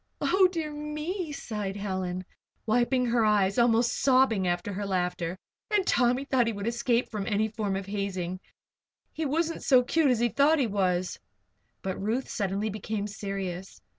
"Oh, dear me!" sighed Helen, wiping her eyes and almost sobbing after her laughter. "And Tommy thought he would escape any form of hazing! He wasn't so cute as he thought he was." But Ruth suddenly became serious.